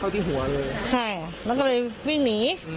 อ๋อตรงตาก็ตรงหลงแก้ม